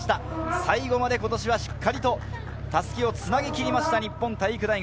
最後まで今年はしっかりと襷をつなぎ切りました日本体育大学。